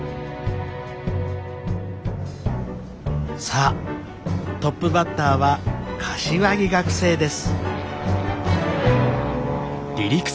さあトップバッターは柏木学生です。